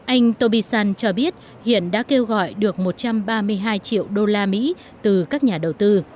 anh toby sun cho biết hiện đã kêu gọi được một trăm ba mươi hai triệu đô la mỹ từ các nhà đầu tư